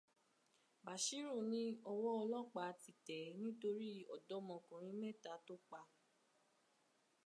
Bàshírù ni ọwọ́ ọlọ́pàá ti tẹ̀ nítorí ọdọmọkùnrin mẹ́ta tó pa